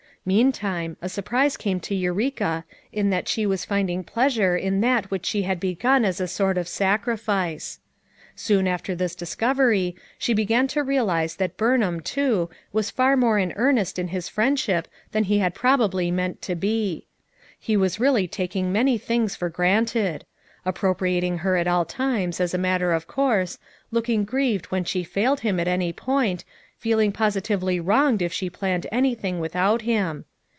Meantime, a surprise came to Eureka in that she was finding pleasure in that which she had begun as a sort of sacrifice. Soon after this FOUR MOTHERS AT CHAUTAUQUA 151 discovery she began to realize that Burnham, too, was far more in earnest in his friendship than he had probably meant to be. He was really taking many things for granted; ap propriating her at all times as a matter of course; looking grieved when she failed him at any point, feeling positively wronged if she planned anything without him.